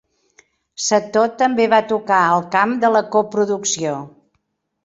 Setó també va tocar el camp de la coproducció.